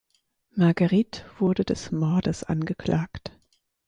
Marguerite wurde des Mordes angeklagt.